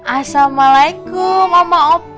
assalamualaikum mama opa